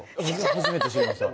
初めて知りました